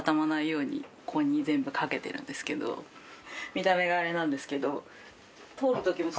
見た目があれなんですけど。